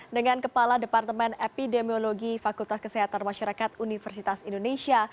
dengan kepala departemen epidemiologi fakultas kesehatan masyarakat universitas indonesia